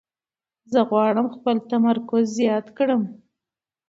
زه غواړم خپل تمرکز زیات کړم.